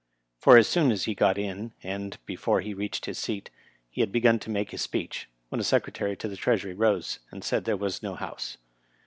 For, as soon as he got in, and before hd reached his seat, he had begun to make his speech, when a Secretary to the Treasury rose and said there was no House.